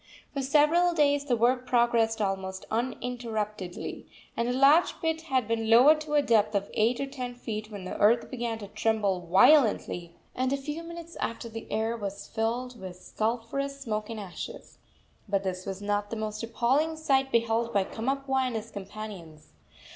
For several days the work progressed almost uninterruptedly, and a large pit had been lowered to a depth of eight or ten feet, when the earth began to tremble violently, and a few minutes after the air was filled with sulphurous smoke and ashes. But this was not the most appalling sight beheld by Kamapuaa and his companions.